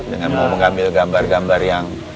dengan mau mengambil gambar gambar yang